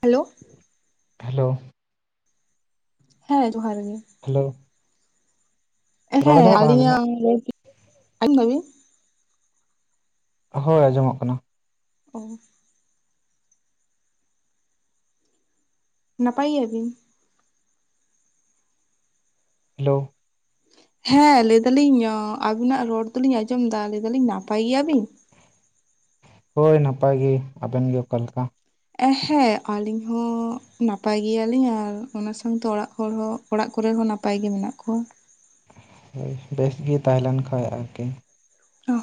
Hello hello ᱦᱮᱸ ᱡᱚᱦᱟᱨ ᱜᱮ ᱦᱮᱞᱳ ᱨᱚᱲ ᱦᱮᱸ ᱟᱸᱡᱚᱢᱚᱜ ᱠᱟᱱᱟ ᱟᱹᱞᱤᱧᱟᱜ [unintelligible] ᱟᱸᱡᱚᱢ ᱦᱳᱭ ᱟᱸᱡᱚᱢᱚᱜ ᱠᱟᱱᱟ᱾ [unintelligible] ᱱᱟᱯᱟᱭ ᱜᱮᱭᱟ ᱵᱤᱱ? ᱦᱮᱞᱳ᱾ ᱦᱮᱸ ᱞᱟᱹᱭᱫᱟᱞᱤᱧ ᱟᱵᱤᱱᱟᱜ ᱨᱚᱲ ᱫᱚᱞᱤᱧ ᱟᱸᱡᱚᱢ ᱮᱫᱟ ᱞᱟᱹᱭᱫᱟᱞᱤᱧ ᱱᱟᱯᱟᱭ ᱜᱮᱭᱟ ᱵᱤᱱ? ᱦᱳᱭ ᱱᱟᱯᱟᱭ ᱜᱮ ᱟᱵᱮᱱ ᱜᱮ ᱚᱠᱟ ᱞᱮᱠᱟ? ᱦᱮᱸ ᱟᱹᱞᱤᱧ ᱦᱚᱸ ᱱᱟᱯᱟᱭ ᱜᱮᱭᱟᱞᱤᱧ, ᱟᱨ ᱚᱱᱟ ᱥᱟᱶᱛᱮ ᱚᱲᱟᱜ ᱦᱚᱲ ᱦᱚᱸ ᱚᱲᱟᱜ ᱠᱚᱨᱮ ᱦᱚᱸ ᱱᱟᱯᱟᱭ ᱜᱮ ᱢᱮᱱᱟᱜ ᱠᱚᱣᱟ᱾ ᱵᱮᱥ ᱜᱮ ᱛᱟᱦᱮᱸ ᱞᱮᱱᱠᱷᱟᱡ ᱟᱨᱠᱤ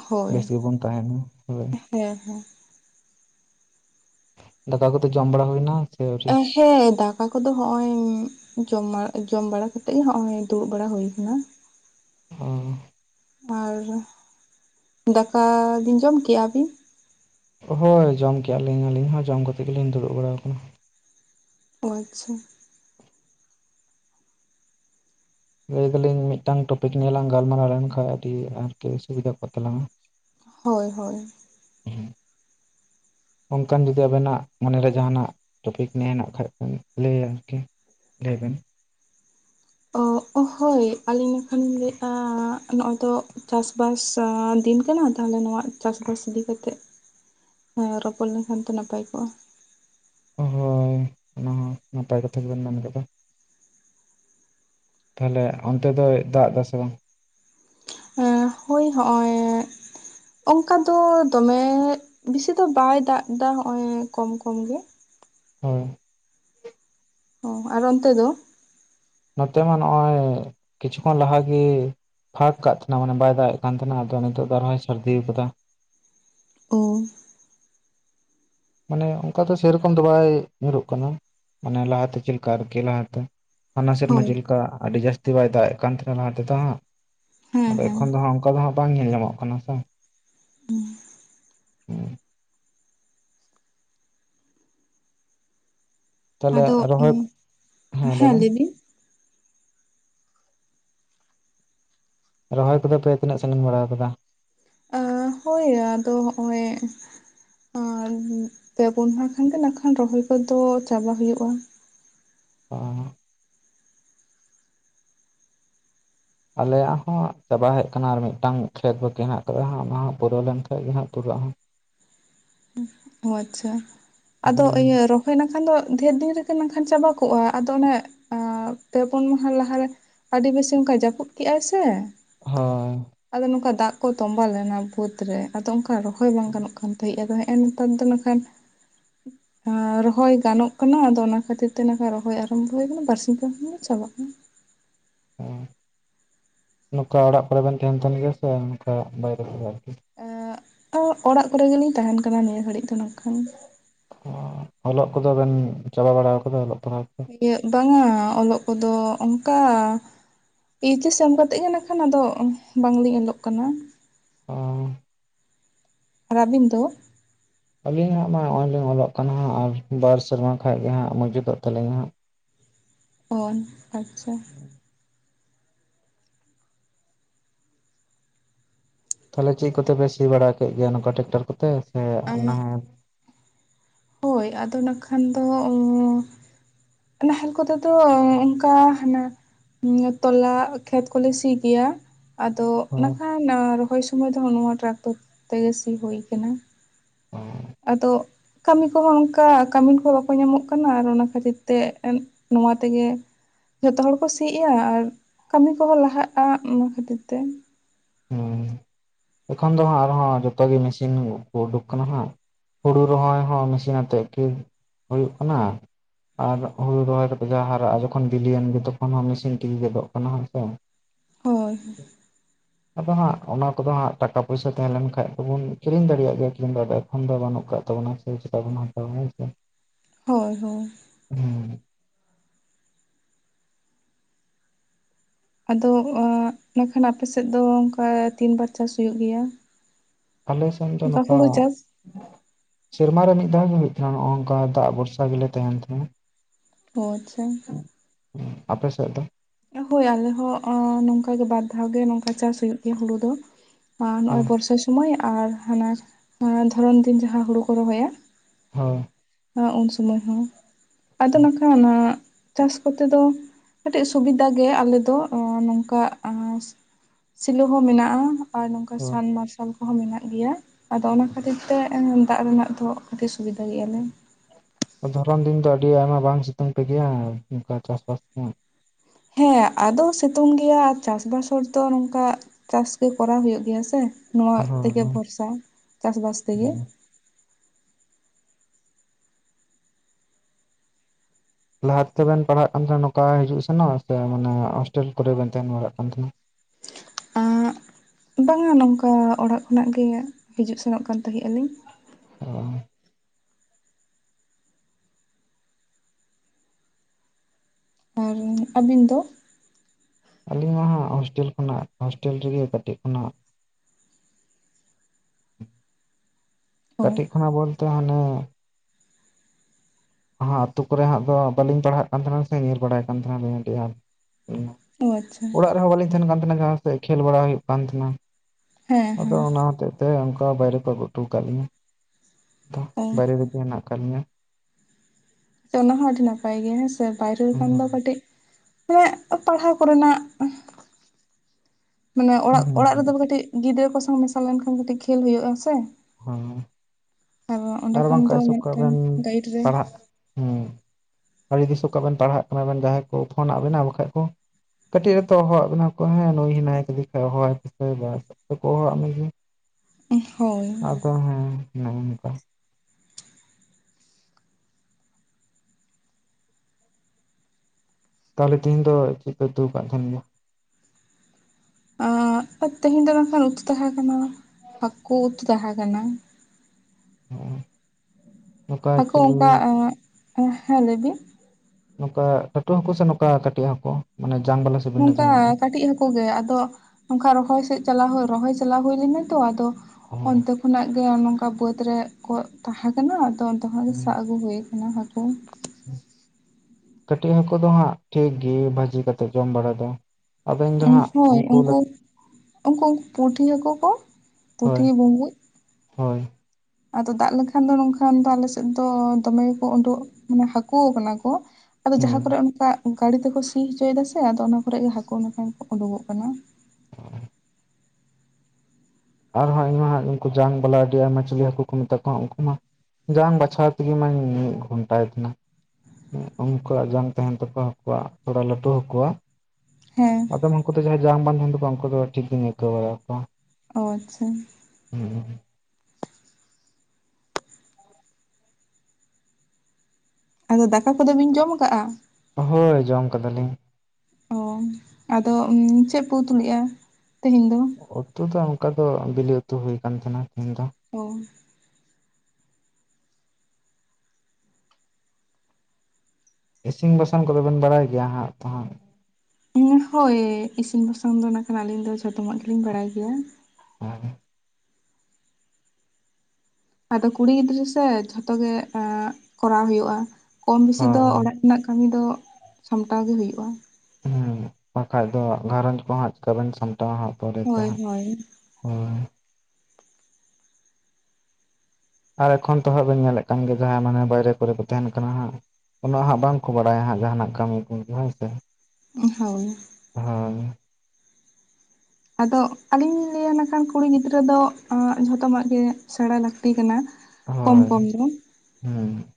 ᱦᱳᱭ ᱵᱮᱥ ᱜᱮᱵᱚᱱ ᱛᱟᱦᱮᱱᱟ ᱦᱳᱭ ᱦᱮᱸ ᱦᱮᱸ᱾ ᱫᱟᱠᱟ ᱠᱚ ᱫᱚ ᱡᱚᱢ ᱵᱟᱲᱟ ᱦᱩᱭᱱᱟ? ᱥᱮ ᱟᱹᱣᱨᱤ [unintelligible] ᱦᱮᱸ ᱫᱟᱠᱟ ᱠᱚᱫᱚ ᱦᱚᱜᱚᱭ ᱡᱚᱢ ᱡᱚᱢ ᱵᱟᱲᱟ ᱠᱟᱛᱮ ᱦᱚᱜᱚᱭ ᱫᱩᱲᱩᱵ ᱵᱟᱲᱟ ᱦᱩᱭ ᱠᱟᱱᱟ᱾ [unintelligible] ᱟᱨ ᱫᱟᱠᱟ ᱵᱤᱱ ᱡᱚᱢ ᱠᱮᱜ-ᱟ᱾ ᱟᱵᱤᱱ? ᱦᱳᱭ ᱡᱚᱢ ᱠᱮᱜ-ᱟ᱾ ᱞᱤᱧ ᱟᱹᱞᱤᱧ ᱦᱚᱸ ᱡᱚᱢ ᱠᱟᱛᱮ ᱜᱮᱞᱤᱧ ᱫᱩᱲᱩᱵ ᱵᱟᱲᱟ ᱠᱟᱱᱟ᱾ ᱚ ᱟᱪᱪᱷᱟ᱾ ᱞᱟᱹᱭ ᱫᱟᱞᱤᱧ ᱢᱤᱫᱴᱟᱝ, ᱴᱚᱯᱤᱠ ᱱᱤᱭᱮ ᱞᱟᱝ ᱜᱟᱞᱢᱟᱨᱟᱣ ᱞᱮᱱᱠᱷᱟᱱ ᱟᱹᱰᱤ ᱟᱨᱠᱤ ᱥᱩᱵᱤᱫᱷᱟ ᱠᱚᱜ ᱛᱟᱞᱟᱝᱟ᱾ ᱦᱳᱭ ᱦᱳᱭ᱾ ᱚᱱᱠᱟᱱ ᱡᱩᱫᱤ ᱟᱵᱮᱱᱟᱜ ᱢᱚᱱᱮᱨᱮ ᱡᱟᱦᱟᱸᱱᱟᱜ ᱴᱚᱯᱤᱠ ᱱᱮᱭᱱᱟᱜ ᱠᱷᱟᱡ ᱫᱚ ᱞᱟᱹ ᱟᱨᱠᱤ ᱞᱟᱹᱭ ᱵᱤᱱ ᱚ ᱦᱳᱭ ᱟᱹᱞᱤᱧ ᱱᱟᱠᱷᱚᱱ [unintelligible] ᱱᱚᱜᱼᱚᱭ ᱫᱚ ᱪᱟᱥ ᱵᱟᱥ ᱫᱤᱱ ᱠᱟᱱᱟ ᱛᱟᱦᱚᱞᱮ ᱱᱚᱣᱟ ᱪᱟᱥ ᱵᱟᱥ ᱤᱫᱤ ᱠᱟᱛᱮᱫ ᱨᱚᱯᱚᱲ ᱞᱮᱱᱠᱷᱟᱱ ᱛᱚ ᱱᱟᱯᱟᱭ ᱠᱚᱜᱼᱟ ᱾ ᱦᱳᱭ ᱚᱱᱟ ᱦᱚᱸ ᱱᱟᱯᱟᱭ ᱠᱟᱛᱷᱟ ᱜᱮᱵᱮᱱ ᱢᱮᱱ ᱠᱟᱫᱟ᱾ ᱛᱟᱦᱚᱞᱮ ᱚᱱᱛᱮ ᱫᱚᱭ ᱫᱟᱜ ᱫᱟ ᱥᱮ ᱵᱟᱝ᱾ ᱦᱳᱭ ᱦᱚᱜᱼᱚᱭ ᱚᱝᱠᱟ ᱫᱚ ᱫᱚᱢᱮ ᱵᱤᱥᱤ ᱫᱚ ᱵᱟᱭ ᱫᱟᱜ ᱮᱫᱟ ᱦᱚᱸᱜᱼᱚᱭ ᱠᱚᱢ ᱠᱚᱢ ᱜᱮ᱾ ᱦᱳᱭ᱾ ᱚ ᱟᱨ ᱚᱱᱛᱮ ᱫᱚ? ᱱᱚᱛᱮ ᱢᱟ ᱱᱚᱜᱼᱚᱭ ᱠᱤᱪᱷᱩ ᱠᱷᱚᱱ ᱞᱟᱦᱟ ᱜᱤ ᱯᱷᱟᱸᱠ ᱠᱟᱜ ᱛᱟᱦᱮᱸᱱᱟ ᱢᱟᱱᱮ ᱵᱟᱭ ᱫᱟᱜ ᱮᱫ ᱠᱟᱱ ᱛᱟᱦᱮᱱᱟ ᱟᱫᱚ ᱱᱤᱛᱚᱜ ᱫᱚ ᱟᱨᱦᱚᱸᱭ ᱥᱟᱹᱨᱫᱤᱣ ᱠᱟᱫᱟ ᱾ ᱳ᱾ ᱢᱟᱱᱮ ᱚᱝᱠᱟ ᱫᱚ ᱥᱮᱨᱚᱠᱚᱢ ᱫᱚ ᱵᱟᱭ ᱧᱩᱨᱩᱜ ᱠᱟᱱᱟ᱾ ᱢᱟᱱᱮ ᱞᱟᱦᱟᱛᱮ ᱪᱮᱫ ᱞᱮᱠᱟ ᱟᱨᱠᱤ ᱞᱟᱦᱟᱛᱮ ᱦᱟᱱᱟ ᱥᱮᱨᱢᱟ ᱦᱳᱭ ᱪᱮᱫᱠᱟ ᱟᱹᱰᱤ ᱡᱟᱹᱥᱛᱤ ᱵᱟᱭ ᱫᱟᱜ ᱮᱫ ᱠᱟᱱ᱾ ᱛᱟᱦᱮᱱᱟ ᱞᱟᱦᱟ ᱛᱮᱫᱚ ᱦᱟᱸᱜ ᱦᱮᱸ ᱟᱫᱚ ᱦᱮᱸ ᱮᱠᱷᱚᱱ ᱫᱚ ᱚ ᱝᱠᱟ ᱫᱚᱜ ᱵᱟᱝ ᱧᱮᱞ ᱧᱟᱢᱚᱜ ᱠᱟᱱᱟ ᱥᱮ ᱛᱟᱦᱚᱞᱮ ᱟᱫᱚ ᱨᱚᱦᱚᱭ ᱦᱮᱸ [inaudible] ᱦᱮ ᱞᱟᱹᱭ ᱵᱮᱱ ᱞᱟᱹᱭᱵᱤᱱ? ᱨᱚᱦᱚᱭ ᱠᱚᱫᱚ ᱯᱮ ᱛᱤᱱᱟᱹᱜ ᱥᱟᱹᱜᱤᱧ ᱵᱟᱲᱟ ᱠᱟᱫᱟ᱾ ᱦᱳᱭ ᱟᱫᱚ ᱦᱚᱜᱼᱚᱭ ᱟᱨ ᱯᱮ ᱯᱳᱱ [unintelligible] ᱠᱷᱟᱱ ᱜᱮ ᱱᱟᱠᱷᱟᱱ ᱨᱚᱦᱚᱭ ᱠᱚ ᱪᱟᱵᱟ ᱦᱩᱭᱩᱜᱼᱟ ᱾ ᱚᱸ᱾ ᱟᱞᱮᱭᱟᱜ ᱦᱚᱸ ᱪᱟᱵᱟ ᱦᱮᱡ ᱠᱟᱱᱟ, ᱟᱨ ᱢᱤᱴᱟᱝ ᱠᱷᱮᱛ ᱵᱟᱹᱠᱤ ᱦᱮᱱᱟᱜ ᱟᱠᱟᱫᱟ ᱚᱱᱟ ᱦᱚᱸ ᱯᱩᱨᱟᱹᱣ ᱞᱮᱱᱠᱷᱟᱱ ᱜᱮ ᱦᱟᱜᱸ ᱯᱩᱨᱟᱹᱜᱼᱟ᱾ ᱦᱟᱜ᱾ [inaudible] ᱚ ᱟᱪᱪᱷᱟ ᱟᱫᱚ ᱦᱩᱸ ᱤᱭᱟᱹ ᱦᱳᱭ ᱮᱱᱮᱠᱷᱟᱱ ᱫᱚ ᱰᱷᱮᱨ ᱫᱤᱱ ᱨᱮᱜᱮ ᱱᱟᱝᱠᱷᱟᱱ ᱪᱟᱵᱟ ᱠᱚᱜᱼᱟ ᱾ᱟᱫᱚ ᱚᱱᱮ ᱯᱩᱱ ᱢᱟᱦᱟ ᱞᱟᱦᱟᱨᱮ, ᱟᱹᱰᱤ ᱵᱮᱥᱤ ᱚᱝᱠᱟᱭ ᱡᱟᱹᱯᱩᱫ ᱠᱮᱫᱮᱼᱟᱭ ᱥᱮ᱾ ᱦᱳᱭ᱾ ᱟᱫᱚ ᱱᱚᱝᱠᱟ ᱫᱟᱜ ᱠᱚ ᱛᱚᱢᱵᱟ ᱞᱮᱱᱟ ᱵᱟᱹᱫ ᱨᱮ ᱟᱫᱚ ᱚᱱᱠᱟ ᱨᱚᱦᱚᱭ ᱵᱟᱝ ᱜᱟᱱᱚᱜ ᱠᱟᱱ ᱛᱟᱦᱮᱸᱜᱼᱟ ᱾ ᱮ ᱱᱮᱛᱟᱨ ᱫᱚ ᱱᱟᱠᱷᱟᱱ [inaudible] ᱨᱚᱦᱚᱭ ᱜᱟᱱᱚᱜ ᱠᱟᱱᱟ ᱟᱫᱚ ᱚᱱᱟ ᱠᱷᱟᱹᱛᱤᱨ ᱛᱮ ᱱᱟᱦᱟᱜ ᱨᱚᱦᱚᱭ ᱟᱨᱚᱢᱵᱷ ᱦᱩᱭ ᱟᱠᱟᱱᱟ ᱵᱟᱨᱥᱤᱧ ᱠᱷᱟᱱ ᱜᱮ ᱪᱟᱵᱟᱜ ᱠᱟᱱᱟ ᱾ ᱦ ᱱᱚᱝᱠᱟ ᱚᱲᱟᱜ ᱠᱚᱨᱮ ᱵᱮᱱ ᱛᱟᱦᱮᱱ ᱛᱟᱦᱮᱱ ᱜᱮᱭᱟ ᱥᱮ ᱱᱚᱝᱠᱟ ᱵᱟᱭᱨᱮ ᱨᱮ ᱟᱨᱠᱤ? ᱚᱲᱟᱜ ᱠᱚᱨᱮ ᱜᱮᱞᱤᱧ ᱛᱟᱦᱮᱱ ᱠᱟᱱᱟ ᱱᱤᱭᱟᱹ ᱜᱷᱟᱹᱲᱤᱡ ᱫᱚ ᱱᱚᱝᱠᱷᱟᱱ ᱾ ᱚᱞᱚᱜ ᱠᱚᱫᱚ ᱵᱮᱱ ᱪᱟᱵᱟ ᱵᱟᱲᱟ ᱣᱟᱠᱟᱫᱟ ᱚᱞᱚᱜ ᱯᱟᱲᱦᱟᱣ᱾ ᱠᱚ ᱵᱟᱝᱼᱟ ᱚᱞᱚᱜ ᱠᱚᱫᱚ ᱚᱝᱠᱟ, ᱤᱭᱤᱪᱮᱥ ᱮᱢ ᱠᱟᱛᱮᱫ ᱜᱮ ᱱᱟᱠᱷᱟᱱ ᱟᱫᱚ ᱵᱟᱝᱞᱤᱧ ᱚᱞᱚᱜ ᱠᱟᱱᱟ ᱾ ᱚ᱾ ᱟᱨ ᱟᱹᱵᱤᱱ ᱫᱚ? ᱟᱹᱞᱤᱧ ᱦᱟᱜ ᱢᱟᱜᱼᱚᱭ ᱞᱤᱧ ᱚᱞᱚᱜ ᱠᱟᱱᱟ ᱦᱟᱸᱜ ᱟᱨ ᱵᱟᱨ ᱥᱮᱨᱢᱟ ᱠᱷᱟᱡ ᱜᱮ ᱦᱟᱸᱜ ᱢᱩᱪᱟᱹᱛᱚᱜ ᱛᱟᱹᱞᱤᱧ ᱦᱟᱸᱜ᱾ ᱚ ᱟᱪᱷᱟ᱾ ᱛᱟᱦᱚᱞᱮ ᱪᱮᱫ ᱠᱚᱛᱮᱯᱮ ᱥᱤ ᱵᱟᱲᱟ ᱠᱮᱫ ᱜᱮᱭᱟ ᱱᱚᱝᱠᱟ ᱴᱨᱮᱠᱴᱟᱨ ᱠᱚᱛᱮ ᱥᱮ ᱱᱟᱦᱮᱞ? ᱦᱳᱭ ᱟᱫᱚ ᱱᱟᱠᱷᱟᱱ ᱫᱚᱸ᱾ ᱱᱟᱦᱮᱞ ᱠᱚᱛᱮ ᱫᱚ ᱚᱱᱠᱟ ᱦᱟᱱᱟ ᱱᱤᱭᱟᱹ ᱛᱚᱞᱟ ᱠᱷᱮᱛ ᱠᱚᱞᱮ ᱥᱤ ᱜᱮᱭᱟ᱾ ᱟᱫᱚ ᱠᱚ ᱱᱟᱠᱷᱟᱱ ᱨᱚᱦᱚᱭ ᱥᱩᱢᱚᱭ ᱫᱚ ᱱᱚᱣᱟ ᱴᱨᱟᱠᱴᱚᱨ ᱛᱮᱜᱮ ᱥᱤ ᱦᱩᱭ ᱟᱠᱟᱱᱟ᱾ ᱚ᱾ ᱟᱫᱚ ᱠᱟᱹᱢᱤ ᱠᱚᱦᱚᱸ ᱚᱱᱠᱟ ᱠᱟᱹᱢᱤ ᱠᱚᱦᱚᱸ ᱵᱟᱠᱚ ᱧᱟᱢᱚᱜ ᱠᱟᱱᱟ ᱟᱨ ᱚᱱᱟ ᱠᱷᱟᱹᱛᱤᱨ ᱛᱮ, ᱱᱚᱣᱟ ᱛᱮᱜᱮ᱾ ᱡᱷᱚᱛᱚ ᱦᱚᱲ ᱠᱚ ᱠᱟᱹᱢᱤ ᱠᱚᱦᱚᱸ ᱞᱟᱦᱟᱜᱼᱟ ᱚᱱᱟ ᱠᱷᱟᱹᱛᱤᱨ ᱛᱮ᱾ ᱦᱩᱸ ᱮᱠᱷᱚᱱ ᱫᱚ ᱦᱟᱸᱜ ᱟᱨᱦᱚᱸ ᱡᱚᱛᱚᱜ ᱜᱮ ᱢᱮᱥᱤᱱ ᱠᱚ ᱩᱰᱩᱠ ᱟᱠᱟᱱᱟ ᱦᱟᱸᱜ᱾ ᱦᱩᱲᱩ ᱨᱚᱦᱚᱭ ᱦᱚᱸ ᱢᱮᱥᱤᱱ ᱟᱛᱮᱫ ᱠᱷᱤᱨ ᱦᱩᱭᱩᱜ ᱠᱟᱱᱟ᱾ ᱟᱨ ᱦᱩᱲᱩ ᱨᱚᱦᱚᱭ ᱠᱟᱛᱮ ᱡᱟᱦᱟᱸ ᱦᱟᱨᱟᱜᱼᱟ ᱡᱚᱠᱷᱚᱱ ᱵᱤᱞᱞᱤᱭᱮᱱ ᱜᱮ ᱛᱚᱠᱷᱚᱱ ᱦᱚᱸ ᱢᱮᱥᱤᱱ ᱛᱮᱜᱮ ᱜᱮᱫᱚᱜ ᱠᱟᱱᱟ ᱦᱮᱸᱥᱮ᱾ ᱦᱳᱭ ᱦᱳᱭ᱾ ᱟᱫᱚ ᱦᱟᱸᱜ ᱚᱱᱟ ᱠᱚᱫᱚ ᱦᱟᱸᱜ ᱴᱟᱠᱟ ᱯᱚᱭᱥᱟ ᱛᱟᱦᱮᱸ ᱞᱮᱱ ᱠᱷᱟᱱᱡ ᱫᱚᱵᱚᱱ ᱠᱤᱨᱤᱧ ᱫᱟᱲᱮᱭᱟᱜ ᱜᱮᱭᱟ ᱠᱤᱱᱛᱩᱫᱚ ᱮᱠᱷᱚᱱ ᱫᱚ ᱵᱟᱹᱱᱩᱜ ᱠᱟᱜ ᱛᱟᱵᱚᱱᱟ᱾ [inaudible] ᱦᱳᱭ ᱦᱳᱭ᱾ ᱦᱩᱸ᱾ ᱟᱫᱚ ᱤᱠᱷᱟᱱ ᱟᱯᱮᱮᱥᱮᱫ ᱫᱚ ᱚᱱᱠᱟ ᱛᱤᱱ ᱵᱟᱨ ᱪᱟᱥ ᱦᱩᱭᱩᱜ ᱜᱮᱭᱟ? ᱟᱞᱮ ᱥᱮᱱ ᱫᱚ ᱚᱱᱠᱟ ᱱᱚᱝᱠᱟ᱾ ᱦᱩᱲᱩ ᱪᱟᱥ ᱥᱮᱨᱢᱟᱨ ᱨᱮ ᱢᱤᱫ ᱫᱷᱟᱣ ᱜᱮ ᱦᱩᱭᱩᱜ ᱛᱟᱦᱮᱱᱟ ᱱᱚᱜ ᱱᱚᱝᱠᱟ ᱫᱟᱜ ᱵᱷᱚᱨᱥᱟ ᱜᱮᱞᱮ ᱛᱟᱦᱮᱱ ᱛᱟᱦᱮᱸᱱᱟ᱾ ᱳ ᱟᱪᱷᱟ᱾ ᱟᱯᱮ ᱥᱮᱫ ᱫᱚ? ᱦᱳᱭ ᱟᱞᱮ ᱦᱚᱸᱚᱸ ᱱᱚᱝᱠᱟᱟᱜᱮ ᱵᱟᱨ ᱫᱷᱟᱣ ᱜᱮ ᱱᱚᱝᱠᱟ ᱪᱟᱥ ᱦᱩᱭᱩᱜ ᱜᱮᱭᱟ ᱦᱩᱲᱩ ᱫᱚ᱾ ᱟᱨ ᱱᱚᱜᱼᱚᱭ ᱦᱮᱸ ᱵᱚᱨᱥᱟ ᱥᱚᱢᱚᱭ ᱟᱨ ᱦᱟᱱᱟ ᱫᱷᱚᱨᱚᱱ ᱫᱤᱱ ᱡᱟᱦᱟᱸᱟ ᱦᱩᱲᱩ ᱠᱚ ᱨᱚᱦᱚᱭᱟ᱾ ᱦᱳᱭ᱾ ᱩᱱ ᱥᱚᱢᱚᱭ ᱦᱚᱸ ᱟᱫᱚ ᱱᱟᱠᱷᱟᱱ ᱚᱱᱟᱼᱼ ᱪᱟᱥ ᱠᱚᱛᱮ ᱫᱚ ᱠᱟᱹᱴ ᱥᱩᱵᱤᱫᱷᱟ ᱜᱮ ᱟᱞᱮ ᱫᱚ ᱱᱚᱝᱠᱟ ᱥᱮᱞᱳ ᱦᱚᱸ ᱢᱮᱱᱟᱜᱼᱟ᱾ ᱟᱨ ᱱᱚᱝᱠᱟ ᱦᱳᱭ ᱥᱟᱱᱢ ᱢᱟᱨᱥᱟᱞ ᱠᱚᱦᱚᱸ ᱢᱮᱱᱟᱜ ᱜᱮᱭᱟ ᱟᱫᱚ ᱚᱱᱟ ᱠᱷᱟᱹᱛᱤᱨ ᱛᱮ ᱫᱟᱜ ᱨᱮᱱᱟᱜ ᱫᱚ᱾ ᱟᱹᱰᱤ ᱥᱩᱵᱤᱫᱷᱟ ᱜᱮᱭᱟ ᱞᱮ᱾ ᱫᱷᱚᱨᱚᱱ ᱫᱤᱱ ᱫᱚ ᱟᱹᱰᱤ ᱟᱭᱢᱟ ᱵᱟᱝ ᱥᱤᱛᱩᱝ ᱯᱮ ᱜᱮᱭᱟ ᱚᱝᱠᱟ ᱪᱟᱥᱵᱟᱥ ᱠᱚ ᱦᱟᱸᱜ? ᱦᱮᱸ ᱟᱫᱚ ᱥᱤᱛᱩᱝ ᱜᱮᱭᱟ, ᱪᱟᱥ ᱵᱟᱥ ᱦᱚᱲᱫᱚ ᱱᱚᱝᱠᱟ ᱪᱟᱥ ᱜᱮ ᱠᱚᱨᱟᱣ ᱦᱩᱭᱩᱜ ᱜᱮᱭᱟ ᱥᱮ ᱱᱚᱣᱟ ᱛᱮᱜᱮ ᱵᱷᱚᱨᱥᱟ ᱪᱟᱥᱵᱟᱥ ᱛᱮᱜᱮ᱾ ᱞᱟᱦᱟ ᱛᱮᱵᱮᱱ ᱯᱟᱲᱦᱟᱜ ᱠᱟᱱ ᱛᱟᱦᱮᱸᱱᱟ ᱱᱚᱝᱠᱟ ᱦᱤᱡᱩᱜ ᱥᱮᱱᱚᱜ ᱥᱮ ᱢᱟᱱᱮ ᱦᱚᱳᱥᱴᱮᱞ ᱠᱚᱨᱮ ᱵᱮᱱ ᱛᱟᱦᱮᱸᱱ ᱵᱟᱲᱟᱜ ᱠᱟᱱ ᱛᱟᱦᱮᱸᱱᱟ? ᱟᱸᱜ ᱵᱟᱝᱟ ᱱᱚᱝᱠᱟ ᱚᱲᱟᱜ ᱠᱷᱚᱱᱟᱜ ᱜᱮ ᱦᱤᱡᱩᱜ ᱥᱮᱱᱚᱜ ᱠᱟᱱ ᱛᱟᱦᱮᱸᱜ ᱟᱞᱤᱧ᱾ ᱚ, ᱟᱨ ᱟᱹᱵᱤᱱ ᱫᱚ? ᱟᱹᱞᱤᱧ ᱢᱟ ᱦᱟᱸᱜ ᱦᱳᱥᱴᱮᱞ ᱠᱷᱚᱱᱟᱜ ᱦᱳᱥᱴᱮᱞ ᱨᱮᱜᱮ ᱠᱟᱹᱴᱤᱜ ᱠᱷᱚᱱᱟᱜ ᱚ ᱠᱟᱹᱴᱤᱜ ᱠᱷᱱᱟᱜ ᱵᱚᱞᱛᱮ ᱢᱟᱱᱮ, ᱦᱟᱸ ᱟᱹᱛᱩ ᱠᱚᱨᱮ ᱦᱟᱸᱜ ᱫᱚ ᱵᱟᱹᱞᱤᱧ ᱯᱟᱲᱦᱟᱜ ᱠᱟᱱ ᱛᱟᱦᱮᱸᱱᱟ ᱥᱮ ᱧᱤᱨ ᱵᱟᱲᱟᱭ ᱠᱟᱱ ᱛᱟᱦᱮᱸᱱᱟᱞᱤᱧ ᱟᱹᱰᱤ ᱟᱸᱴ ᱟᱹᱞᱤᱧ ᱚ ᱟᱪᱪᱷᱟ ᱦᱚᱸ᱾ ᱚᱲᱟᱜ ᱨᱮᱦᱚᱸ ᱵᱟᱹᱞᱤᱧ ᱛᱟᱦᱮᱸᱱ ᱠᱟᱱ ᱛᱟᱦᱮᱸᱱᱟ ᱡᱟᱦᱟᱸ ᱥᱮᱜ ᱠᱷᱮᱞ ᱵᱟᱲᱟ ᱦᱩᱭᱩᱜ ᱠᱟᱱ ᱛᱟᱦᱮᱸᱱᱟ᱾ ᱦᱮᱸ ᱟᱫᱚ ᱦᱮᱸ ᱚᱱᱟ ᱦᱚᱛᱮᱜ ᱛᱮ ᱚᱱᱠᱟ ᱵᱟᱭᱨᱮ ᱠᱚ ᱟᱹᱜᱩ ᱚᱴᱚ ᱠᱟᱜ ᱞᱤᱧᱟᱹ᱾ᱛᱚ ᱚ ᱵᱟᱭᱨᱮ ᱨᱮ ᱢᱮᱱᱟᱜ ᱠᱟᱜ ᱞᱤᱧᱟ᱾ ᱟᱫᱚ ᱚᱱᱟ ᱦᱚᱸ ᱟᱹᱰᱤ ᱱᱟᱯᱟᱭ ᱜᱮᱭᱟ ᱦᱮᱸᱥᱮ ᱵᱟᱭᱨᱮ ᱠᱷᱚᱱ ᱦᱩᱸ ᱫᱚ ᱠᱟᱹᱴᱤᱜ ᱢᱟᱱᱮ ᱯᱟᱲᱦᱟᱣ ᱠᱚᱨᱮᱱᱟᱜ, ᱢᱟᱱᱮ ᱚᱲᱟᱜ ᱦᱩᱸ ᱚᱲᱟᱜ ᱨᱮᱫᱚ ᱠᱟᱹᱴᱤᱜ ᱜᱤᱫᱽᱨᱟᱹ ᱠᱚ ᱥᱟᱶ ᱢᱮᱥᱟᱞ ᱞᱮᱱᱠᱷᱟᱱ ᱠᱟᱹᱴᱤᱜ ᱠᱷᱮᱞ ᱦᱩᱭᱩᱜᱼᱟ ᱥᱮ᱾ ᱦᱮᱸ ᱚᱸᱰᱮ ᱟᱨ ᱠᱷᱟᱱ ᱫᱚ ᱵᱟᱝᱠᱷᱟᱱ ᱥᱚᱵ ᱠᱟᱜ ᱢᱤᱫᱴᱮᱱ ᱵᱮᱱ ᱜᱟᱭᱤᱰ ᱨᱮ ᱯᱟᱲᱦᱟᱜ ᱦᱮᱸ, ᱟᱹᱰᱤ ᱫᱤᱥᱩ ᱠᱟᱜ ᱵᱮᱱ ᱯᱟᱲᱦᱟᱜ ᱠᱟᱱᱟ ᱵᱮᱱ ᱡᱟᱦᱟᱸᱭ ᱠᱚ ᱯᱷᱳᱱᱟᱜ ᱵᱮᱱᱟ ᱵᱟᱠᱷᱟᱭ ᱠᱚ, ᱠᱟᱹᱴᱤᱜ ᱨᱮᱛᱚ ᱦᱚᱦᱚᱣᱟᱜ ᱵᱮᱱᱟ ᱠᱚ ᱦᱮᱸ ᱱᱩᱭ ᱦᱮᱱᱟᱭ ᱠᱟᱹᱴᱤᱜ ᱠᱷᱟᱭ ᱦᱚᱦᱚᱟᱭ ᱯᱮᱥᱮ ᱵᱟᱠᱚ ᱦᱚᱦᱚᱣᱟᱜ ᱢᱮᱜᱮ᱾ ᱮᱸ ᱦᱳᱭ, ᱠᱚ ᱦᱚᱸ ᱱᱚᱜᱼ ᱱᱚᱝᱠᱟ᱾ ᱛᱟᱦᱚᱞᱮ ᱛᱮᱤᱦᱤᱧ ᱫᱚ ᱪᱮᱜ ᱯᱮ ᱩᱛᱩ ᱠᱟᱜ ᱛᱟᱦᱮᱸᱱ ᱜᱮᱭᱟ? ᱟᱸ ᱛᱮᱦᱤᱧ ᱫᱚ ᱵᱟᱝᱠᱷᱟᱱ ᱩᱛᱩ ᱛᱟᱦᱮᱸ ᱠᱟᱱᱟ ᱦᱟᱹᱠᱩ ᱩᱛᱩ ᱛᱟᱦᱮᱸ ᱠᱟᱱᱟ᱾ ᱦᱚᱸ ᱦᱟᱹᱠᱩ ᱚᱝᱠᱟ ᱮ, ᱸᱦᱮᱸ ᱞᱟᱹᱭ ᱵᱤᱱ? ᱱᱚᱝᱠᱟ ᱴᱟᱹᱴᱩ ᱦᱟᱹᱠᱩ ᱥᱮ ᱱᱚᱝᱠᱟ ᱠᱟᱹᱴᱤᱜ ᱦᱟᱹᱠᱩ ᱢᱟᱱᱮ ᱡᱟᱝ ᱵᱟᱞᱟ? ᱥᱮ ᱵᱤᱱᱟᱹ ᱱᱚᱝᱠᱟ ᱡᱟᱝ ᱵᱟᱞᱟ? ᱠᱟᱹᱴᱤᱜ ᱦᱟᱹ ᱠᱚ ᱜᱮ, ᱟᱫᱚ ᱚᱝᱠᱟ ᱨᱚᱦᱚᱭ ᱥᱮᱜ ᱪᱟᱞᱟᱣ ᱦᱚ ᱨᱚᱦᱚᱭ ᱪᱟᱞᱟᱣ ᱦᱩᱭ ᱞᱮᱱᱟ ᱛᱚ ᱟᱫᱚ ᱚ ᱚᱱᱛᱮ ᱠᱷᱚᱱᱟᱜ ᱜᱮ ᱱᱚᱝᱠᱟ ᱵᱟᱹᱫᱽ ᱨᱮ ᱠᱚ ᱛᱟᱦᱮᱸ ᱠᱟᱱᱟ ᱟᱫᱚ ᱚᱱᱛᱮ ᱠᱷᱚᱱᱟᱜ ᱜᱮ ᱥᱟᱵ ᱟᱹᱜᱩ ᱦᱩᱭ ᱠᱟᱱᱟ ᱦᱟᱹᱠᱩ᱾ ᱠᱟᱹᱴᱤᱜ ᱦᱟᱹᱠᱩ ᱫᱚ ᱦᱟᱸᱜ ᱴᱷᱤᱠ ᱜᱮ ᱵᱷᱟᱹᱡᱤ ᱠᱟᱛᱮᱜ ᱡᱚᱢ ᱵᱟᱲᱟ ᱫᱚ᱾ ᱟᱫᱚ ᱤᱧ ᱫᱚ ᱦᱟᱸᱜ ᱩᱝᱠᱩ ᱞᱟᱹᱴ ᱩᱝᱠᱩ ᱩᱝᱠᱩ ᱯᱩᱴᱷᱤ ᱦᱟᱹᱠᱩ ᱠᱚ ᱯᱩᱴᱷᱤ ᱦᱳᱭ ᱵᱩᱸᱢᱵᱩᱭ ᱦᱳᱭ, ᱟᱫᱚ ᱫᱟᱜᱽ ᱞᱮᱠᱷᱟᱱ ᱫᱚ ᱱᱚᱝᱟᱱ ᱫᱚ ᱟᱞᱮ ᱥᱮᱜ ᱫᱚ ᱫᱚᱢᱮ ᱜᱮ ᱠᱚ ᱩᱰᱩᱜ ᱢᱟᱱᱮ ᱦᱟᱹᱠᱩ ᱠᱟᱱᱟ ᱠᱚ᱾ ᱟᱫᱚ ᱡᱟᱦᱟᱸ ᱦᱮᱸ ᱠᱚᱨᱮᱜ ᱚᱱᱠᱟ ᱜᱟᱰᱤ ᱛᱮᱠᱚ ᱥᱤ ᱚᱪᱚᱭ ᱫᱟ ᱥᱮ ᱟᱫᱚ ᱚᱱᱟ ᱠᱚᱨᱮᱜ ᱦᱟᱹᱠᱩ ᱱᱟᱠᱷᱟᱱ ᱩᱰᱩᱠᱚᱜ ᱠᱟᱱᱟ᱾ ᱟᱨᱦᱚᱸ ᱟᱭᱢᱟ ᱦᱟᱸᱜ ᱩᱱᱠᱩ ᱡᱟᱝ ᱵᱟᱞᱟ ᱟᱹᱰᱤ ᱟᱭᱢᱟ ᱪᱤᱞᱤ ᱦᱟᱹᱠᱩ ᱠᱚ ᱢᱮᱛᱟ ᱠᱚᱣᱟ ᱩᱱᱠᱩ ᱢᱟ, ᱡᱟᱝ ᱵᱟᱪᱷᱟᱣ ᱛᱮ ᱜᱮ ᱢᱟᱧ ᱢᱤᱜ ᱜᱷᱚᱱᱴᱟᱭ ᱛᱟᱦᱮᱸᱱᱟ᱾ ᱩᱱᱠᱩ ᱣᱟᱜ ᱡᱟᱝ ᱛᱟᱦᱮᱸᱱ ᱛᱟᱠᱚᱣᱟ ᱦᱟᱹᱠᱩᱣᱟᱜ ᱥᱮᱲᱟ ᱞᱟᱹᱴᱩ ᱦᱟᱹᱠᱩᱣᱟ ᱾ ᱦᱮᱸ᱾ ᱟᱫᱚᱢ ᱦᱟᱹᱠᱩ ᱫᱚ ᱡᱟᱦᱟᱸᱭ ᱡᱟᱝ ᱵᱟᱝ ᱛᱟᱦᱮᱸᱱ ᱛᱟᱠᱚᱣᱟ ᱩᱱᱠᱩ ᱫᱚ ᱴᱷᱤᱠ ᱜᱤᱧ ᱮᱠᱟᱹᱶ ᱵᱟᱲᱟ ᱠᱚᱣᱟ᱾ ᱚ ᱟᱪᱪᱷᱟ᱾ ᱦᱩᱸ ᱦᱩᱸ ᱦᱩᱸ᱾ ᱟᱫᱚ ᱫᱟᱠᱟ ᱠᱚ ᱫᱚ ᱵᱤᱱ ᱡᱚᱢ ᱠᱟᱜᱼᱟ? ᱦᱳᱭ ᱡᱚᱢ ᱠᱟᱫᱟᱞᱤᱧ᱾ ᱚ ᱟᱫᱚ ᱪᱮᱫ ᱯᱮ ᱩᱛᱩ ᱞᱮᱜ-ᱟ ᱛᱮᱦᱮᱧ ᱫᱚ? ᱩᱛᱩ ᱫᱚ ᱚᱱᱠᱟ ᱫᱚ ᱵᱤᱞᱮ ᱩᱛᱩ ᱦᱩᱭ ᱠᱟᱱ ᱛᱟᱦᱮᱱᱟ ᱛᱤᱦᱤᱧ ᱫᱚ ᱾ ᱚ ᱾ ᱤᱥᱤᱱ ᱵᱟᱥᱟᱝ ᱠᱚᱫᱚ ᱵᱮᱱ ᱵᱟᱲᱟᱭ ᱜᱮᱭᱟ ᱦᱟᱸᱜ ᱛᱚ ᱦᱟᱸᱜ ᱾ ᱦᱳᱭ ᱤᱥᱤᱱ ᱵᱟᱥᱟᱝ ᱫᱚ ᱱᱟᱜ ᱠᱷᱟᱱ ᱟᱹᱞᱤᱧ ᱫᱚ ᱡᱷᱚᱛᱚᱢᱟᱜ ᱜᱮᱞᱤᱧ ᱵᱟᱲᱟᱭ ᱜᱮᱭᱟ ᱾ [unintelligible] ᱟᱫᱚ ᱠᱩᱲᱤ ᱜᱤᱫᱽᱨᱟᱹ ᱥᱮ ᱡᱷᱚᱛᱚ ᱜᱮ ᱠᱚᱨᱟᱣ ᱦᱩᱭᱩᱜ-ᱟ ᱾ ᱠᱚᱢ ᱵᱮᱥᱤ ᱫᱚ ᱦᱳᱭ ᱚᱲᱟᱜ ᱨᱮᱱᱟᱜ ᱠᱟᱹᱢᱤ ᱫᱚ ᱥᱟᱢᱴᱟᱣ ᱜᱮ ᱦᱳᱭᱳᱜ-ᱟ ᱾ ᱦᱩᱸ ᱵᱟᱠᱷᱟᱡ ᱫᱚ ᱜᱷᱟᱸᱨᱚᱸᱧᱡᱽ ᱠᱚ ᱦᱟᱸᱜ ᱪᱤᱠᱟᱹ ᱵᱮᱱ ᱥᱟᱢᱴᱟᱣᱟ ᱦᱟᱸᱜ ᱯᱚᱨᱮ ᱛᱮ ᱦᱳᱭ ᱦᱟᱸᱜ ᱦᱳᱭ ᱾ ᱦᱳᱭ ᱾ ᱟᱨ ᱮᱠᱷᱚᱱ ᱛᱚ ᱦᱟᱸᱜ ᱵᱤᱱ ᱧᱮᱞᱮᱫ ᱠᱟᱱ ᱜᱮᱭᱟ ᱡᱟᱦᱟᱸᱭ ᱢᱟᱱᱮ ᱵᱟᱭᱨᱮ ᱠᱚᱨᱮ ᱠᱚ ᱛᱟᱦᱮᱱ ᱠᱟᱱᱟ ᱦᱟᱸᱜ ᱾ ᱩᱱᱟᱹᱜ ᱦᱟᱸᱜ ᱵᱟᱝ ᱠᱚ ᱵᱟᱲᱟᱭᱟ ᱦᱟᱸᱜ ᱡᱟᱦᱟ ᱱᱟᱜ ᱠᱟᱹᱢᱤ ᱠᱚᱜᱮ ᱦᱳᱭ ᱥᱮ ᱾ ᱦᱳᱭ ᱾ ᱦᱳᱭ ᱾ ᱟᱫᱚ ᱟᱹᱞᱤᱧ ᱞᱤᱧ ᱞᱟᱹᱭᱟ ᱱᱟᱜ ᱠᱷᱟᱱ ᱠᱩᱲᱤ ᱜᱤᱫᱽᱨᱟᱹ ᱫᱚ ᱡᱷᱚᱛᱚᱢᱟᱜ ᱜᱮ ᱥᱮᱬᱟ ᱞᱟᱹᱠᱛᱤ ᱠᱟᱱᱟ ᱾ ᱦᱳᱭ [inaudible] ᱦᱩᱸ ᱾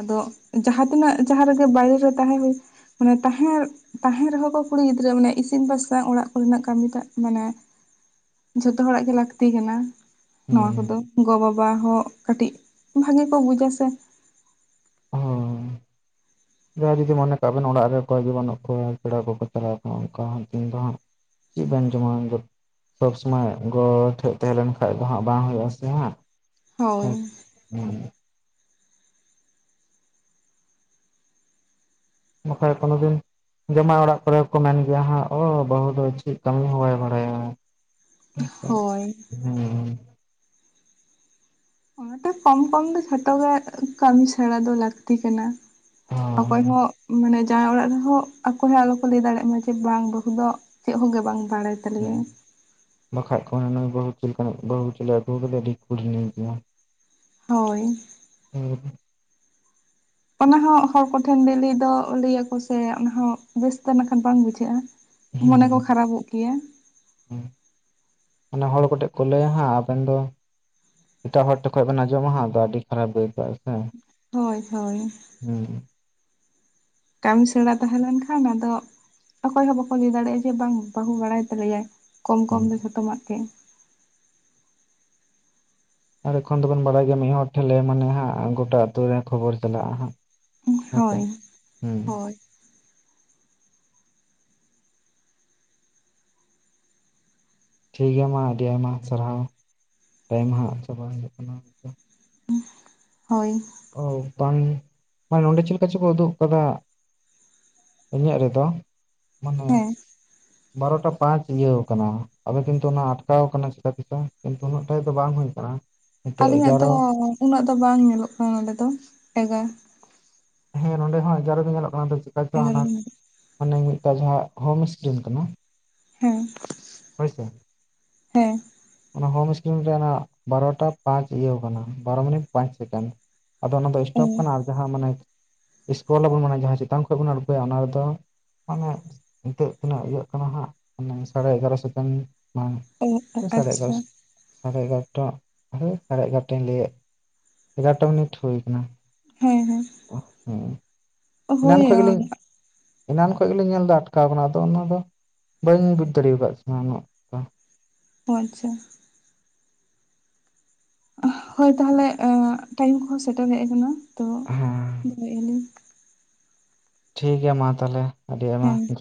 ᱟᱫᱚ ᱡᱟᱦᱟᱸ ᱛᱤᱱᱟᱹᱜ ᱡᱟᱦᱟᱸ ᱨᱮᱜᱮ ᱵᱟᱭᱨᱮ ᱛᱟᱦᱮᱸ ᱦᱩᱭᱩᱜ ᱢᱟᱱᱮ ᱛᱟᱦᱮᱸ ᱛᱟᱦᱮᱸᱱ ᱨᱮᱦᱚᱸ ᱠᱚ ᱠᱩᱲᱤ ᱜᱤᱫᱽᱨᱟᱹ ᱢᱟᱱᱮ ᱤᱥᱤᱱ ᱵᱟᱥᱟᱝ ᱚᱲᱟᱜ ᱠᱚ ᱨᱮᱱᱟᱜ ᱠᱟᱹᱢᱤᱴᱟᱜ ᱢᱟᱱᱮ ᱡᱷᱚᱛᱚ ᱦᱚᱲᱟᱜ ᱜᱮ ᱞᱟᱹᱠᱛᱤ ᱠᱟᱱᱟ ᱾ ᱱᱚᱣᱟ ᱠᱚ ᱦᱩᱸ ᱫᱚ ᱜᱚ ᱵᱟᱵᱟ ᱦᱚᱸ ᱠᱟᱹᱴᱤᱡ ᱵᱷᱟᱜᱤ ᱠᱚ ᱵᱩᱡᱟ ᱥᱮ ᱾ ᱦᱩᱸ ᱾ [inaudible] ᱡᱟᱦᱟᱸᱭ ᱡᱩᱫᱤ ᱢᱚᱱᱮ ᱠᱟᱜ ᱵᱮᱱ ᱚᱲᱟᱜ ᱨᱮ ᱚᱠᱚᱭ ᱜᱮ ᱵᱟᱹᱱᱩᱜ ᱠᱚᱣᱟ ᱯᱮᱲᱟ ᱠᱚᱠᱚ ᱪᱟᱞᱟᱣ ᱠᱚ ᱚᱱᱠᱟ ᱦᱟᱜ ᱢᱤᱫ ᱫᱤᱱ ᱜᱟᱱ ᱪᱮᱫ ᱵᱤᱱ ᱡᱚᱢᱟ ᱩᱱᱫᱚ ᱾ ᱥᱚᱵᱽ ᱥᱚᱢᱚᱭ ᱜᱚ ᱴᱷᱮᱡ ᱛᱟᱦᱮᱸ ᱞᱮᱱ ᱠᱷᱟᱡ ᱫᱚ ᱦᱟᱸᱜ ᱵᱟᱝ ᱦᱩᱭᱩᱜ-ᱟ ᱦᱟᱜ ᱾ [inaudible] ᱦᱳᱭ ᱦᱮᱸ ᱾ ᱵᱟᱠᱷᱟᱡ ᱠᱳᱱᱳ ᱫᱤᱱ ᱡᱟᱢᱟᱭ ᱚᱱᱟᱜ ᱠᱚᱨᱮ ᱠᱚ ᱢᱮᱱ ᱜᱮᱭᱟ ᱦᱟᱸᱜ ᱚ ᱵᱟᱹᱦᱩ ᱫᱚ ᱪᱮᱫ ᱠᱟᱹᱢᱤ ᱦᱚᱸ ᱵᱟᱭ ᱵᱟᱲᱟᱭᱟ ᱾ ᱦᱮᱸ ᱥᱮ ᱦᱳᱭ ᱦᱩᱸ ᱾ ᱚᱱᱟᱛᱮ ᱠᱚᱢ ᱠᱚᱢ ᱫᱚ ᱡᱷᱚᱛᱚ ᱜᱮ ᱠᱟᱹᱢᱤ ᱥᱮᱲᱟ ᱫᱚ ᱞᱟᱹᱠᱛᱤ ᱠᱟᱱᱟ ᱾ ᱚᱠᱚᱭ ᱦᱚ ᱢᱟᱱᱮ ᱡᱟᱣᱟᱸᱭ ᱚᱲᱟᱜ ᱨᱮᱦᱚᱸ ᱚᱠᱚᱭ ᱦᱚᱸ ᱟᱞᱚ ᱠᱚ ᱞᱟᱹᱭ ᱫᱟᱲᱮᱭᱟᱜ ᱢᱟ ᱡᱮ ᱵᱟᱝ ᱵᱟᱹᱦᱩ ᱫᱚ ᱪᱮᱫ ᱦᱚᱸ ᱜᱮ ᱵᱟᱝ ᱵᱟᱲᱟᱭ ᱛᱟᱞᱮᱭᱟᱭ ᱦᱩᱸᱜ-ᱩ ᱾ [inaudible] ᱵᱟᱠᱷᱟᱡ ᱠᱚ ᱢᱮᱱᱟ ᱵᱟᱹᱵᱩ ᱪᱮᱫ ᱞᱮᱠᱟᱱᱤᱡ ᱵᱟᱹᱦᱩ ᱪᱚᱞᱮ ᱟᱹᱜᱩ ᱠᱟᱫᱮᱭᱟ ᱟᱹᱰᱤ ᱠᱩᱴᱱᱤ ᱜᱮᱭᱟ ᱾ ᱦᱳᱭ ᱾ ᱦᱮᱸ ᱾ ᱚᱱᱟ ᱦᱚᱸ ᱦᱚᱲ ᱠᱚᱴᱷᱮᱱ ᱞᱟᱹᱞᱟᱹᱭ ᱫᱚ ᱞᱟᱹᱭ ᱟᱠᱚ ᱥᱮ ᱚᱱᱟ ᱦᱚᱸ ᱵᱮᱥᱛᱮ ᱱᱟᱜ ᱠᱷᱟᱱ ᱵᱟᱝ ᱵᱩᱡᱷᱟᱹᱜ-ᱟ ᱾ ᱢᱚᱱᱮ ᱠᱚ ᱠᱷᱟᱨᱟᱯᱚᱜ ᱜᱮᱭᱟ ᱾ ᱦᱮᱸ ᱾ [inaudible] ᱱᱢᱟᱱᱮ ᱦᱚᱲ ᱠᱚᱴᱷᱮᱡ ᱠᱚ ᱞᱟᱹᱭᱟ ᱦᱟᱸᱜ ᱟᱵᱮᱱ ᱫᱚ ᱮᱴᱟᱜ ᱦᱚᱲ ᱴᱷᱮᱜ ᱠᱷᱚᱡ ᱵᱮᱱ ᱟᱸᱡᱚᱢᱟ ᱦᱟᱜ ᱟᱹᱰᱤ ᱠᱷᱟᱨᱟᱯ ᱜᱮ ᱟᱹᱭᱠᱟᱹᱜ-ᱟ ᱥᱮ ᱾ ᱦᱳᱭ ᱦᱳᱭ ᱾ ᱦᱩᱢ ᱾ ᱠᱟᱹᱢᱤ ᱥᱮᱲᱟ ᱛᱟᱦᱮᱸ ᱞᱮᱱᱠᱷᱟᱱ ᱟᱫᱚ ᱚᱠᱚᱭ ᱦᱚᱸ ᱵᱟᱠᱚ ᱞᱟᱹᱭ ᱫᱟᱲᱮᱭᱟᱜ-ᱟ ᱡᱮ ᱵᱟᱝ ᱵᱟᱹᱦᱩ ᱵᱟᱲᱟᱭ ᱛᱟᱞᱮᱭᱟᱭ ᱠᱚᱢ ᱦᱩᱸ ᱠᱚᱢ ᱫᱚ ᱡᱷᱚᱛᱚᱢᱟᱜ ᱜᱮ ᱾ ᱟᱨ ᱮᱠᱷᱚᱱ ᱫᱚᱵᱚᱱ ᱵᱟᱲᱟᱭ ᱜᱮᱭᱟ ᱢᱤᱫ ᱦᱚᱲ ᱴᱷᱮᱱ ᱞᱟᱹᱭ ᱢᱟᱱᱮ ᱦᱟᱸᱜ ᱜᱚᱴᱟ ᱟᱛᱳ ᱨᱮ ᱠᱷᱚᱵᱚᱨ ᱪᱟᱞᱟᱜ-ᱟ ᱦᱟᱸᱜ ᱾ ᱦᱳᱭ [inaudible] ᱦᱳᱭ ᱾ ᱴᱷᱤᱠ ᱜᱮᱭᱟ ᱢᱟ ᱟᱹᱰᱤ ᱟᱭᱢᱟ ᱥᱟᱨᱦᱟᱣ [inaudible] ᱴᱟᱭᱤᱢ ᱦᱟᱸᱜ ᱪᱟᱵᱟ ᱦᱤᱡᱩᱜ ᱠᱟᱱᱟ ᱾ ᱦᱳᱭ᱾ ᱚ ᱵᱟᱝ ᱢᱟᱱᱮ ᱱᱚᱸᱰᱮ ᱪᱮᱫ ᱞᱮᱠᱟ ᱪᱚᱠᱚ ᱩᱫᱩᱜ ᱠᱟᱫᱟ᱾ ᱤᱧᱟᱹᱜ ᱨᱮᱫᱚ ᱢᱟᱱᱮ ᱦᱮᱸ ᱵᱟᱨᱚᱴᱟ ᱯᱟᱸᱪ ᱤᱭᱟᱹᱣ ᱠᱟᱱᱟ ᱟᱵᱮᱱ ᱠᱤᱱᱛᱩ ᱚᱱᱟ ᱟᱴᱠᱟᱣ ᱠᱟᱱᱟ ᱪᱤᱠᱟᱹ ᱛᱮᱪᱚᱝ ᱠᱤᱱᱛᱩ ᱩᱱᱟᱹᱜ ᱴᱟᱭ ᱫᱚ ᱵᱟᱝ ᱦᱳᱭ ᱠᱟᱱᱟ᱾ ᱟᱹᱞᱤᱧᱟᱜ ᱫᱚ ᱩᱱᱟᱹᱜ ᱫᱚ ᱵᱟᱝ ᱧᱮᱞᱚᱜ ᱠᱟᱱᱟ, ᱱᱚᱰᱮ ᱫᱚ ᱮᱜᱟ ᱦᱮᱸ ᱱᱚᱸᱰᱮ ᱦᱚᱸ ᱮᱜᱟᱨᱚ ᱜᱮ ᱧᱮᱞᱚᱜ ᱠᱟᱱᱟ ᱪᱮᱠᱟ ᱪᱚ ᱮᱜᱟᱨᱚ ᱦᱟᱱᱟ ᱦᱮᱸ ᱦᱟᱱᱮ ᱢᱤᱫᱛᱟ ᱡᱟᱦᱟᱸ ᱦᱳᱢ ᱤᱥᱠᱨᱤᱱ ᱠᱟᱱᱟ᱾ ᱦᱮᱸ᱾ ᱦᱳᱭ ᱥᱮ᱾ ᱦᱮᱸ᱾ ᱚᱱᱟ ᱦᱳᱢ ᱤᱥᱠᱤᱱ ᱨᱮ ᱚᱱᱟ ᱵᱟᱨᱚᱴᱟ ᱯᱟᱸᱪ ᱤᱭᱟᱹᱣ ᱠᱟᱱᱟ ᱵᱟᱨᱚᱢᱤᱱᱤᱴ ᱯᱟᱸᱪ ᱥᱮᱠᱮᱱ᱾ ᱟᱫᱚ ᱚᱱᱟ ᱫᱚ ᱚ ᱥᱴᱚᱯ ᱠᱟᱱᱟ ᱟᱨ ᱡᱟᱦᱟᱸ ᱢᱟᱱᱮ ᱤᱥᱠᱳᱞ ᱟᱵᱚᱱ ᱢᱟᱱᱮ ᱡᱟᱦᱟᱸ ᱪᱮᱛᱟᱱ ᱠᱷᱚᱡ ᱵᱚᱱ ᱟᱬᱜᱳᱭᱟ ᱚᱱᱟ ᱨᱮᱫᱚ ᱢᱟᱱᱮ ᱱᱤᱛᱳᱜ ᱛᱤᱱᱟᱹᱜ ᱤᱭᱟᱹᱜ ᱠᱟᱱᱟ ᱦᱟᱸᱜ [inaudible] ᱥᱟᱲᱮ ᱮᱜᱟᱨᱚ [inaudible] ᱚ ᱥᱟᱲᱮ ᱟᱪᱪᱷᱟ ᱮᱜᱟᱨᱚᱥᱚ ᱥᱟᱲᱮ ᱮᱜᱟᱨᱚᱴᱟ ᱫᱷᱟᱹᱴ ᱥᱟᱲᱮ ᱮᱜᱟᱨᱚᱴᱟᱧ ᱞᱟᱹᱭᱮᱫ᱾ ᱮᱜᱟᱨᱚᱴᱟ ᱢᱤᱱᱤᱴ ᱦᱳᱭ ᱠᱟᱱᱟ᱾ ᱦᱮᱸ ᱦᱮᱸ᱾ [inaudible] ᱮᱱᱟᱱ ᱦᱳᱭ ᱠᱷᱚᱱ ᱚ ᱜᱮᱞᱤᱧ ᱮᱱᱟᱱ ᱠᱷᱚᱡ ᱜᱮᱞᱤᱧ ᱧᱮᱞ ᱫᱟ ᱟᱴᱠᱟᱣ ᱠᱟᱱᱟ, ᱟᱫᱚ ᱚᱱᱟ ᱫᱚ ᱵᱟᱹᱧ ᱵᱩᱡᱽ ᱫᱟᱲᱮᱣ ᱟᱠᱟᱫ ᱛᱟᱦᱮᱱᱟ ᱩᱱᱟᱹᱜ᱾ ᱫᱚ᱾ ᱚ ᱟᱪᱪᱷᱟ᱾ ᱦᱳᱭ ᱛᱟᱦᱟᱞᱮ ᱮᱸ ᱴᱟᱭᱤᱢ ᱠᱚᱦᱚᱸ ᱥᱮᱴᱮᱨ ᱦᱮᱡ ᱠᱟᱱᱟ, ᱛᱚ ᱦᱮᱸ [inaudible] ᱴᱷᱤᱠ ᱜᱮᱭᱟ ᱢᱟ ᱛᱟᱞᱦᱮ ᱟᱹᱰᱤ ᱟᱭᱢᱟ ᱦᱮᱸ ᱡᱚᱦᱟᱨ᱾